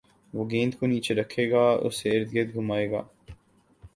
وہ گیند کو نیچے رکھے گا اُسے اردگرد گھمائے گا